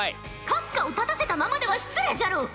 閣下を立たせたままでは失礼じゃろう。